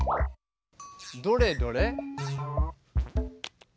どれどれ？